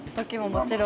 もちろん。